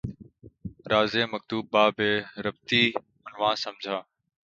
رازِ مکتوب بہ بے ربطیٴ عنواں سمجھا